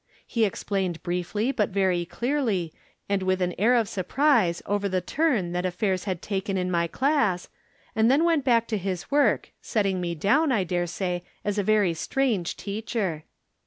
He explained briefly, but very clearly, and with an air of surprise over the turn that af fairs had taken in my class, and then went back to his work, setting me down, I dare say, as a very strange teacher.